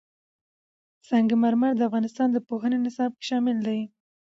سنگ مرمر د افغانستان د پوهنې نصاب کې شامل دي.